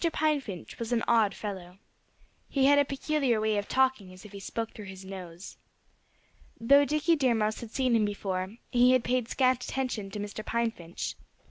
Pine Finch was an odd fellow. He had a peculiar way of talking as if he spoke through his nose. Though Dickie Deer Mouse had seen him before, he had paid scant attention to Mr. Pine Finch.